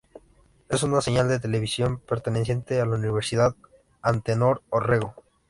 Es una señal de televisión perteneciente a la Universidad Antenor Orrego.